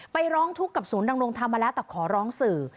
ร้องทุกข์กับศูนย์ดำรงธรรมมาแล้วแต่ขอร้องสื่อ